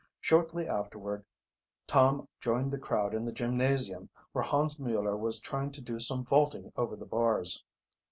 Shortly afterward Tom joined the crowd in the gymnasium, where Hans Mueller was trying to do some vaulting over the bars.